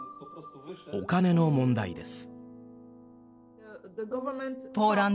お金の問題です。